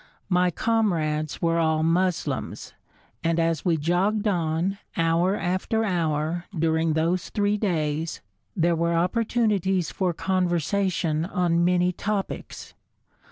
My comrades were all Moslems, and as we jogged on, hour after hour, during those three days, there were opportunities for conversation on many topics.